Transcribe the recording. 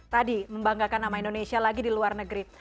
tadi membanggakan nama indonesia lagi di luar negeri